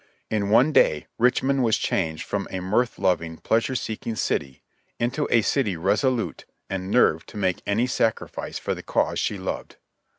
In one day Richmond was changed from a mirth loving, pleas tu e seeking city into a city resolute and nerved to make any sacri fice for the cause she loved.